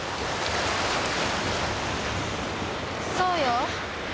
そうよ。